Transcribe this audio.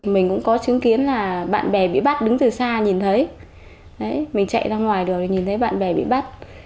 mình cũng có chứng kiến là bạn bè bị bắt đứng từ xa nhìn thấy mình chạy ra ngoài đường thì nhìn thấy bạn bè bị bắt